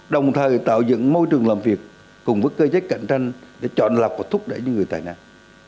đồng thời tạo dựng môi trường làm việc cùng với cơ chế cạnh tranh để chọn lọc và thúc đẩy những người tài năng